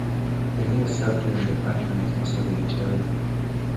The meal served during the function is mostly vegetarian food.